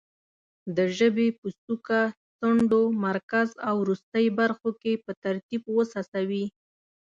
د ژبې په څوکه، څنډو، مرکز او وروستۍ برخو کې په ترتیب وڅڅوي.